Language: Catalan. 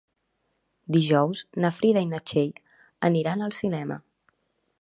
Dijous na Frida i na Txell aniran al cinema.